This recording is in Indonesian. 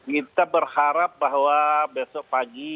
kita berharap bahwa besok pagi